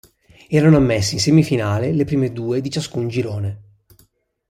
Erano ammesse in semifinale le prime due di ciascun girone.